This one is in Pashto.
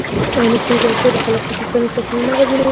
ایا مصنوعي ځیرکتیا د خلاقیت انساني سرچینه نه اغېزمنوي؟